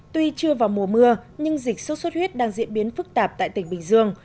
tuy chưa vào mùa mưa nhưng dịch sốt xuất huyết đang diễn biến phức tạp tại tỉnh bình dương